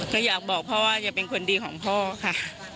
ก็อยากบอกพ่อว่าจะเป็นคนดีของพ่อค่ะ